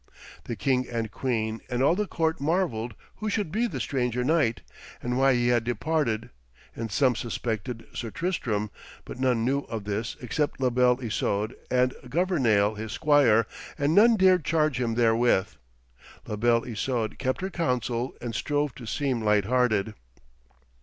The king and queen and all the court marvelled who should be the stranger knight, and why he had departed, and some suspected Sir Tristram, but none knew of this except La Belle Isoude and Governale his squire, and none dared charge him therewith. La Belle Isoude kept her counsel, and strove to seem lighthearted.